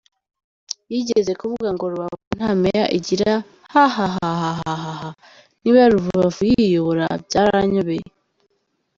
Yigeze kuvuga ngo Rubavu nta mayor igira ,hahahahaah ,niba rubavu yiyobora byaranyobeye.